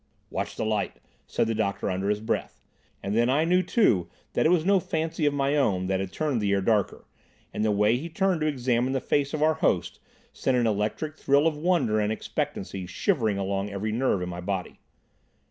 "Watch the light," said the doctor under his breath, and then I knew too that it was no fancy of my own that had turned the air darker, and the way he turned to examine the face of our host sent an electric thrill of wonder and expectancy shivering along every nerve in my body.